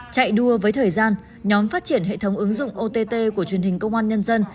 chạy đua với thời gian nhóm phát triển hệ thống ứng dụng ott của truyền hình công an nhân dân